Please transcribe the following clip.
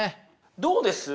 どうです？